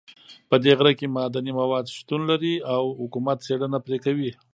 په دې غره کې معدني مواد شتون لري او حکومت څېړنه پرې کوي